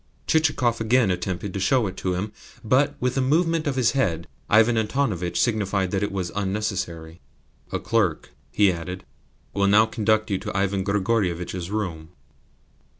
Chichikov again attempted to show it to him, but, with a movement of his head, Ivan Antonovitch signified that that was unnecessary. "A clerk," he added, "will now conduct you to Ivan Grigorievitch's room."